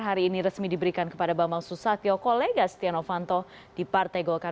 hari ini resmi diberikan kepada bambang susatyo kolega setia novanto di partai golkar